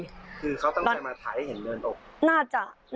คือเขาต้องใช้มาถ่ายให้เห็นเดินออก